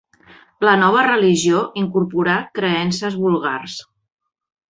La nova religió incorporà creences vulgars.